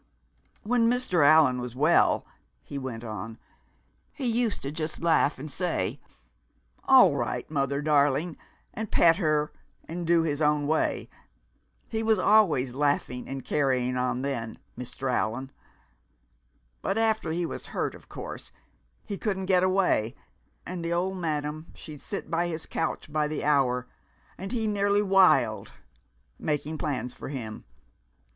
"When Mr. Allan was well," he went on, "he used to just laugh and say, 'All right, mother darling,' and pet her and do his own way he was always laughing and carrying on then, Mr. Allan but after he was hurt, of course, he couldn't get away, and the old madam, she'd sit by his couch by the hour, and he nearly wild, making plans for him.